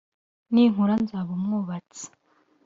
ninkura nzaba umwubatsi